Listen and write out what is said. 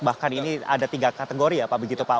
bahkan ini ada tiga kategori ya pak begitu pak